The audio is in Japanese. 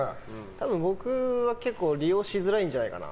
多分、僕は結構利用しづらいんじゃないかな。